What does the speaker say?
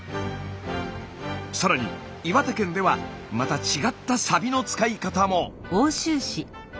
更に岩手県ではまた違ったサビの使い方も。